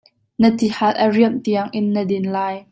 Na tihal a riamh tiangin na din lai.